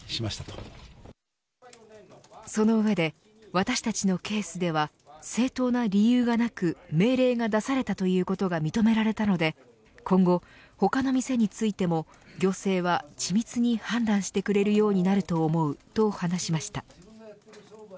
その上で、私たちのケースでは正当な理由がなく命令が出されたということが認められたので今後、他の店についても行政は緻密に判断してくれるようになると思うと話しました。